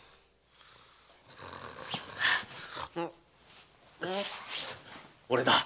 ん？あ？俺だ。